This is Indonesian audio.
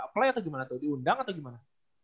play atau gimana tuh diundang atau gimana